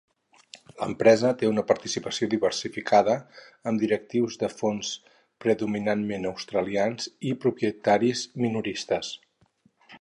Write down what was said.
L'empresa té una participació diversificada amb directius de fons predominantment australians i propietaris minoristes.